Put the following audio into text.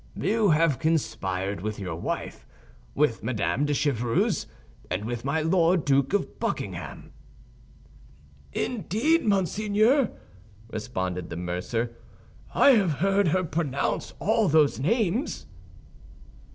"You have conspired with your wife, with Madame de Chevreuse, and with my Lord Duke of Buckingham." "Indeed, monseigneur," responded the mercer, "I have heard her pronounce all those names."